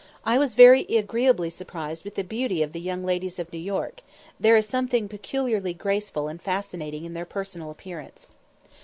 I was very agreeably surprised with the beauty of the young ladies of New York; there is something peculiarly graceful and fascinating in their personal appearance.